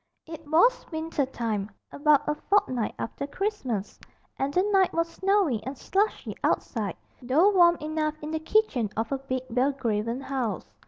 It was winter time, about a fortnight after Christmas, and the night was snowy and slushy outside, though warm enough in the kitchen of a big Belgravian house.